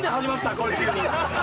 これ急に。